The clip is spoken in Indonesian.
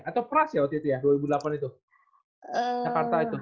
atau pras ya waktu dua ribu delapan itu